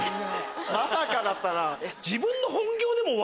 まさかだったな。